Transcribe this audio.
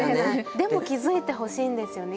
でも気付いてほしいんですよね